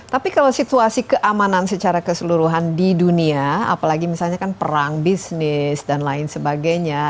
tapi kalau situasi keamanan secara keseluruhan di dunia apalagi misalnya kan perang bisnis dan lain sebagainya